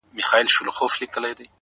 د هغوی څټ د جبرائيل د لاس لرگی غواړي--